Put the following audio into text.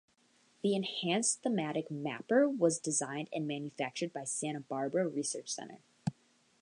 The Enhanced Thematic Mapper was designed and manufactured by Santa Barbara Research Center.